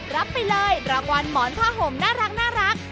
รับไปเลยรางวัลหมอนผ้าห่มน่ารัก